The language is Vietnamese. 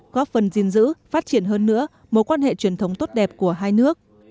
góp phần gìn giữ phát triển hơn nữa mối quan hệ truyền thống tốt đẹp của hai nước